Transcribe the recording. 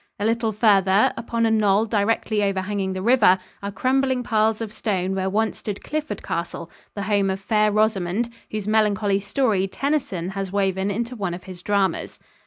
A little farther, upon a knoll directly overhanging the river, are crumbling piles of stone where once stood Clifford Castle, the home of Fair Rosamond, whose melancholy story Tennyson has woven into one of his dramas.